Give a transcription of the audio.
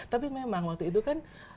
tapi memang waktu itu kan